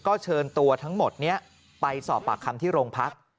ก็เชิญตัวทั้งหมดนี้ไปสอบปากคำที่โรงพัก